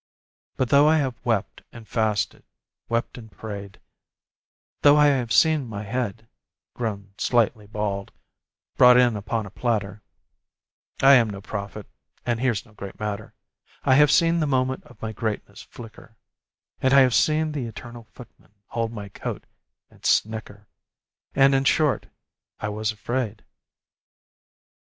But though I have wept and fasted, wept and prayed, Though I have seen my head (grown slightly bald) brought in upon a platter, I am no prophet and here's no great matter; I have seen the moment of my greatness flicker, And I have seen the eternal Footman hold my coat, and snicker, And in short, I was afraid.